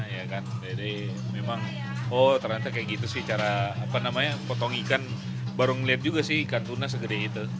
ya kan jadi memang oh kaya gitu sih cara potong ikan barang liat juga sih ikan tuna segede itu